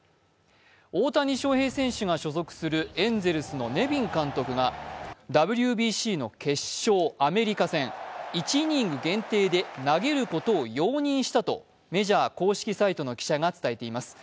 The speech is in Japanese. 大谷翔平選手が所属するエンゼルスのネビン監督がＷＢＣの決勝、アメリカ戦、１イニング限定で投げることを容認したとメジャー公式サイトの記者が伝えています。